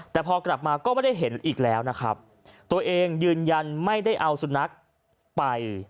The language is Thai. แต่พอกลับมาก็ไม่ได้เห็นอีกแล้วนะครับตัวเองยืนยันไม่ได้เอาสุนัขไป